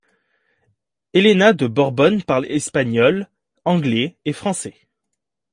Elena de Borbón parle espagnol, anglais et français.